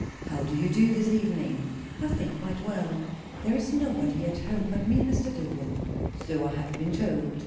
"How do you do, this evening?" "I think, quite well. There is nobody at home but me, Mr. Dillwyn." "So I have been told.